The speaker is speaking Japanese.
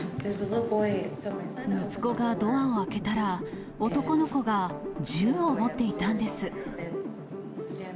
息子がドアを開けたら、男の子が銃を持っていたんです。